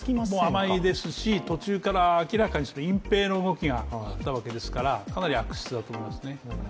甘いですし、途中から明らかに隠蔽の動きがあったわけですからかなり悪質だと思いますね。